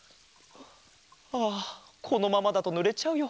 ああこのままだとぬれちゃうよ。